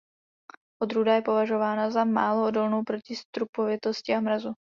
Odrůda je považována za málo odolnou proti strupovitosti a mrazu.